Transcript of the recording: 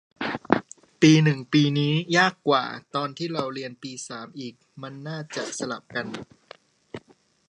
ปีหนึ่งปีนี้ ยากกว่า ตอนที่เราเรียนปีสามอีก มันน่าจะสลับกัน